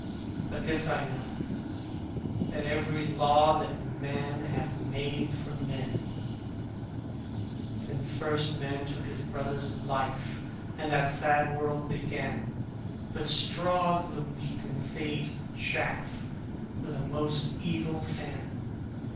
But this I know, that every Law That men have made for Man, Since first Man took His brother's life, And the sad world began, But straws the wheat and saves the chaff With a most evil fan.